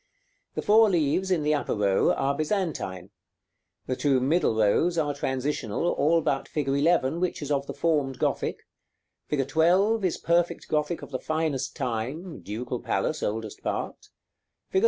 The four leaves in the upper row are Byzantine; the two middle rows are transitional, all but fig. 11, which is of the formed Gothic; fig. 12 is perfect Gothic of the finest time (Ducal Palace, oldest part), fig.